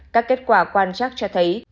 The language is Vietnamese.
các kết quả quan trắc cho thấy